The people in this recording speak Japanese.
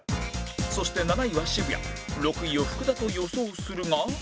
そして７位は渋谷６位を福田と予想するが